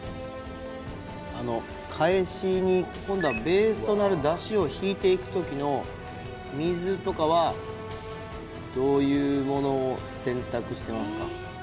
あのかえしに今度はベースとなるだしをひいていくときの水とかはどういうものを選択してますか？